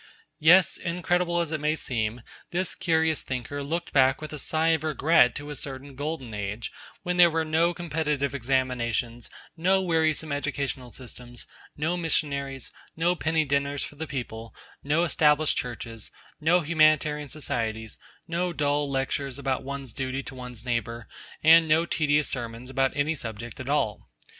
Yes; incredible as it may seem, this curious thinker looked back with a sigh of regret to a certain Golden Age when there were no competitive examinations, no wearisome educational systems, no missionaries, no penny dinners for the people, no Established Churches, no Humanitarian Societies, no dull lectures about one's duty to one's neighbour, and no tedious sermons about any subject at all.